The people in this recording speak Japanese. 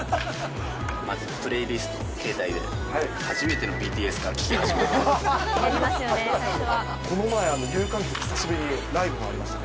プレイリスト、携帯で、初めてのＢＴＳから聴きました。